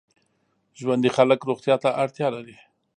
ژوندي خلک روغتیا ته اړتیا لري